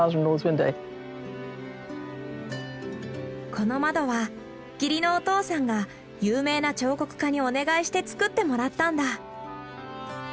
この窓は義理のお父さんが有名な彫刻家にお願いして作ってもらったんだ。